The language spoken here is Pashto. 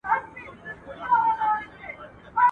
چي وائې ورې، ووايه، چي وې وينې، مه وايه.